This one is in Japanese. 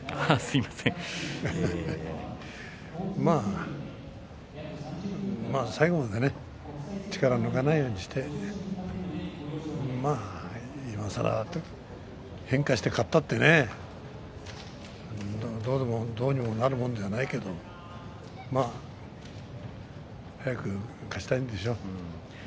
まあ最後までね力を抜かないようにしていまさら変化して勝ったってねどうにでもなるもんじゃないけれども早く勝ちたいんでしょう。